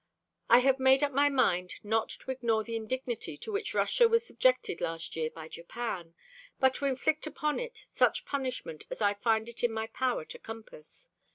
"I have made up my mind not to ignore the indignity to which Russia was subjected last year by Japan, but to inflict upon it such punishment as I find it in my power to compass.